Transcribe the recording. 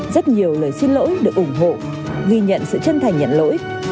rất nhiều lời xin lỗi được ủng hộ ghi nhận sự chân thành nhận lỗi